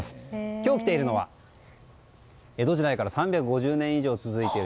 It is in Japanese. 今日来ているのは江戸時代から３５０年以上続いている